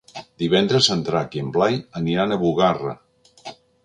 Divendres en Drac i en Blai aniran a Bugarra.